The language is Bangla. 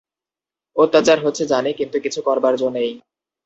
অত্যাচার হচ্ছে জানি, কিন্তু কিছু করবার জো নেই।